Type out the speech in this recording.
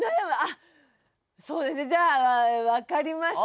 そうですねじゃあわかりました。